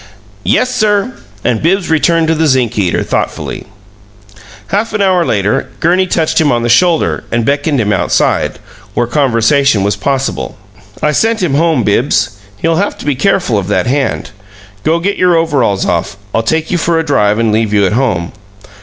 "Yes, sir." And Bibbs returned to the zinc eater thoughtfully. Half an hour later, Gurney touched him on the shoulder and beckoned him outside, where conversation was possible. "I sent him home, Bibbs. He'll have to be careful of that hand. Go get your overalls off. I'll take you for a drive and leave you at home."